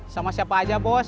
sama siapa aja bos